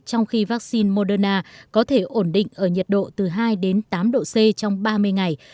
trong khi vaccine moderna có thể ổn định ở nhiệt độ từ hai đến tám độ c trong ba mươi ngày